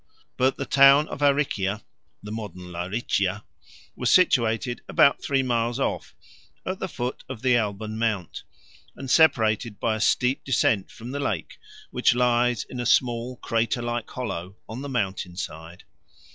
But the town of Aricia (the modern La Riccia) was situated about three miles off, at the foot of the Alban Mount, and separated by a steep descent from the lake, which lies in a small crater like hollow on the mountain side.